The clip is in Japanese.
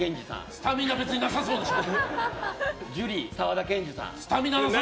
スタミナなさそうでしょ！